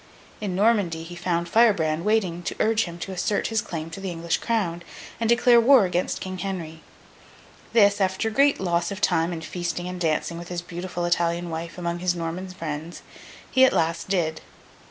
In Normandy, he found Firebrand waiting to urge him to assert his claim to the English crown, and declare war against King Henry. This, after great loss of time in feasting and dancing with his beautiful Italian wife among his Norman friends, he at last did.